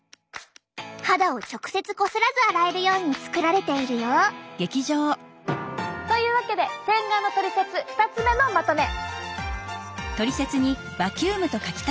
肌を直接こすらず洗えるように作られているよ。というわけで洗顔のトリセツ２つ目のまとめ。